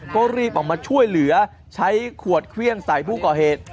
ก็รีบออกมาช่วยเหลือใช้ขวดเครื่องใส่ผู้ก่อเหตุ